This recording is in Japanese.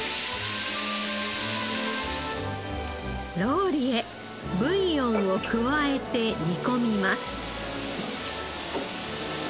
ローリエブイヨンを加えて煮込みます。